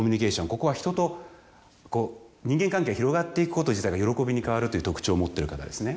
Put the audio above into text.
ここは人とこう人間関係が広がっていくこと自体が喜びに変わるという特徴を持ってる方ですね